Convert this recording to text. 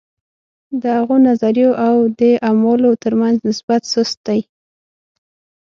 د هغو نظریو او دې اعمالو ترمنځ نسبت سست دی.